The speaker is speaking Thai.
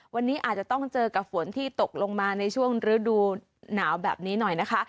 วันนี้อาจจะต้องเจอกับฝนที่ตกลงมาในช่วงฤดูหนาวแบบนี้หน่อยนะคะ